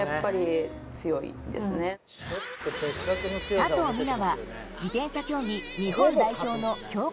佐藤水菜は自転車競技日本代表の強化